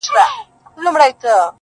o چي تر ملکه دي کړه، ورکه دي کړه!